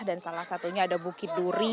dan salah satunya ada bukit duri